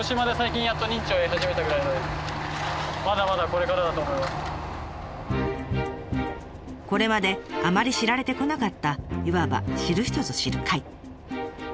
これまであまり知られてこなかったいわば知る人ぞ知る貝。